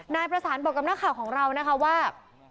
นายประสานบอกกับนักข่าวของเรานะคะว่า